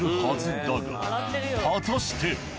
果たして。